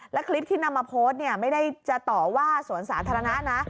และคลิปที่นำมาโพสต์เนี่ยไม่ได้จะต่อว่าสวนสาธารณะนะ